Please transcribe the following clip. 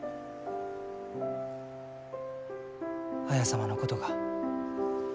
綾様のことが。